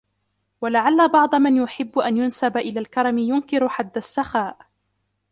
وَلَعَلَّ بَعْضَ مَنْ يُحِبُّ أَنْ يُنْسَبَ إلَى الْكَرَمِ يُنْكِرُ حَدَّ السَّخَاءِ